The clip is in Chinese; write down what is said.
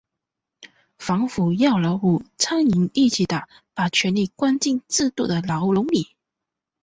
反腐要老虎、苍蝇一起打，把权力关进制度的笼子里。